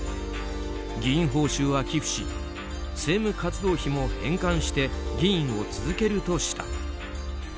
議員報酬は寄付し政務活動費も返還して議員を続けるとした。